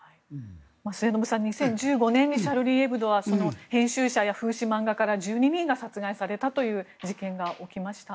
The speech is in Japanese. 末延さん、２０１５年にシャルリー・エブドは編集者や風刺漫画家ら１２人が殺害されたという事件が起きました。